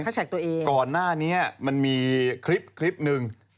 เขาแท็กตัวเองก่อนหน้านี้มันมีคลิปคลิปหนึ่ง